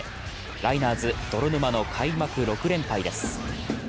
ライナーズ、泥沼の開幕６連敗です。